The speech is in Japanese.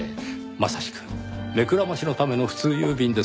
まさしく目くらましのための普通郵便ですよ。